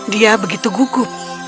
dia begitu gugup